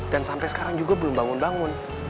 dan sampai sekarang juga belum bangun bangun